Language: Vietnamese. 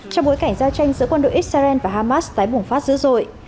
trong bối cảnh giao tranh giữa quân đội israel và hamas tái bùng phát dữ dội